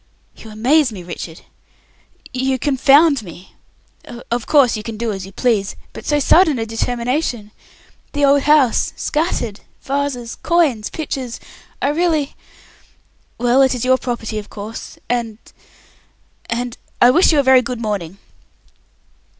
"You amaze me, Richard. You confound me. Of course you can do as you please. But so sudden a determination. The old house vases coins pictures scattered I really Well, it is your property, of course and and I wish you a very good morning!"